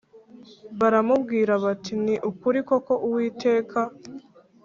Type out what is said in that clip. Baramubwira bati ni ukuri koko uwiteka